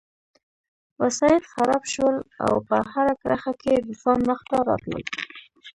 وسایط خراب شول او په هره کرښه کې روسان مخته راتلل